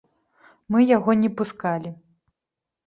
Мы яго не пускалі.